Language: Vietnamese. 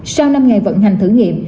sau năm ngày vận hành thử nghiệm